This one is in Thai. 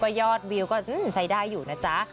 ยอดวิวก็ใช้ได้อยู่นะจ๊ะ